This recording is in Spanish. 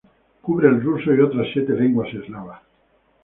Cubre el ruso y otras siete lenguas eslavas.